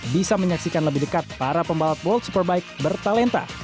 bisa menyaksikan lebih dekat para pembalap world superbike bertalenta